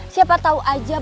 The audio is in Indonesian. siapa tau aja